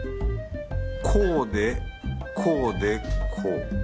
こうでこうでこう。